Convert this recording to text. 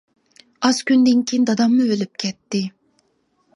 ئاز كۈندىن كېيىن داداممۇ ئۆلۈپ كەتتى.